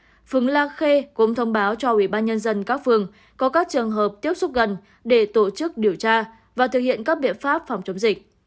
công an phường la khê cũng thông báo cho ủy ban nhân dân các phường có các trường hợp tiếp xúc gần để tổ chức điều tra và thực hiện các biện pháp phòng chống dịch